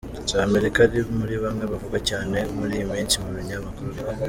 za Amerika ari muri bamwe bavugwa cyane muri iyi minsi mu binyamakuru ariko.